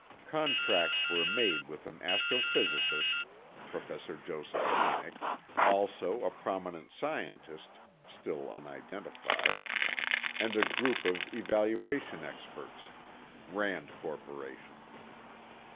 Contracts were made with an astrophysicist (Professor Joseph Hynek), also a prominent scientist (still unidentified), and a group of evaluation experts (Rand Corporation).